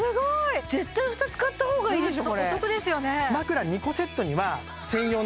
絶対２つ買った方がいいでしょ